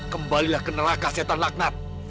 kembalilah ke neraka setan lagnat